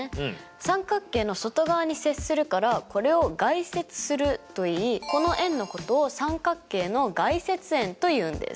三角形の外側に接するからこれを外接するといいこの円のことを三角形の外接円というんです。